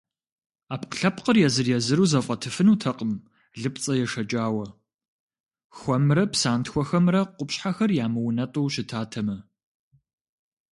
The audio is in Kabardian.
Ӏэпкълъэпкъыр езыр-езыру зэфӏэтыфынутэкъым лыпцӏэ ешэкӏауэ, хуэмрэ псантхуэхэмрэ къупщхьэр ямыунэтӏу щытатэмэ.